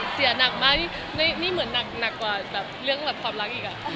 เสียหนักมากนี่เหมือนหนักกว่าแบบเรื่องแบบความรักอีก